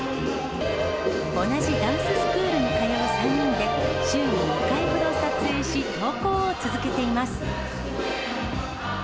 同じダンススクールに通う３人で、週に２回ほど撮影し、投稿を続けています。